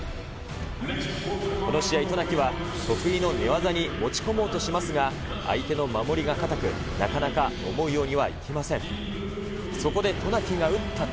この試合、渡名喜は得意の寝技に持ち込もうとしますが、相手の守りが堅く、なかなか思うようにはいきません。